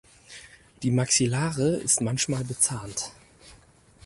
Die Maxillare ist manchmal bezahnt.